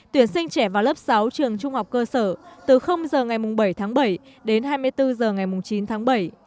tuyển sinh trẻ vào lớp sáu trường trung học cơ sở từ h ngày bảy tháng bảy đến hai mươi bốn h ngày chín tháng bảy